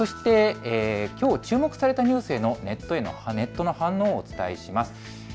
そしてきょう注目されたニュースへのネットの反応をお伝えします。